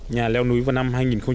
nhà leo núi vào năm hai nghìn một mươi